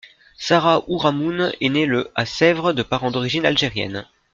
Sarah Ourahmoune est née le à Sèvres de parents d'origine algérienne.